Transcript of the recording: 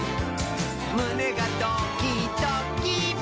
むねがドキドキ！」